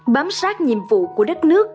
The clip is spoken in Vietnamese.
bám sát nhiệm vụ của đất nước